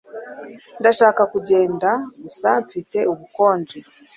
Ndashaka kugenda, gusa mfite ubukonje.